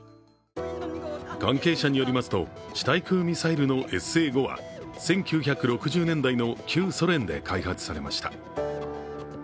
関係者によりますと地対空ミサイルのＳＡ５は１９６０年代の旧ソ連で開発されました。